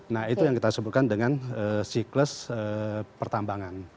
nah itu yang kita sebutkan dengan siklus pertambangan